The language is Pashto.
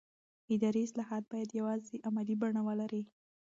اداري اصلاحات باید یوازې عملي بڼه ولري